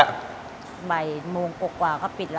ใบโมงกว่าก็ปิดละค่ะ